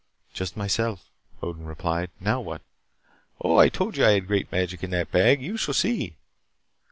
"Just myself," Odin replied. "Now what " "Oh, I told you I had great magic in that bag. You shall see."